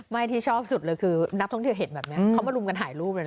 ที่ชอบสุดเลยคือนักท่องเที่ยวเห็นแบบนี้เขามารุมกันถ่ายรูปเลย